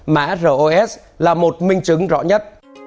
mã ros là một minh chứng rõ nhất